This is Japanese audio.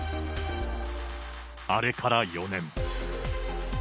あれから４年。